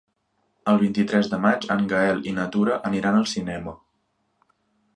El vint-i-tres de maig en Gaël i na Tura aniran al cinema.